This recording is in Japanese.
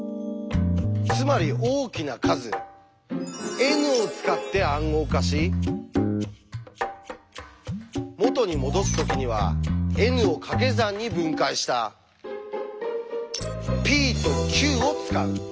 つまり大きな数Ｎを使って暗号化し元にもどす時にはＮをかけ算に分解したｐとｑを使う。